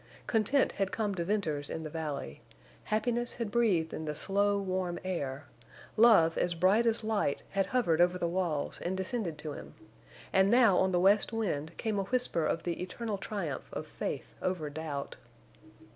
Content had come to Venters in the valley; happiness had breathed in the slow, warm air; love as bright as light had hovered over the walls and descended to him; and now on the west wind came a whisper of the eternal triumph of faith over doubt.